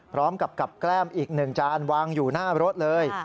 พร้อมกับกับแกล้มอีก๑จานวางอยู่หน้ารถเลย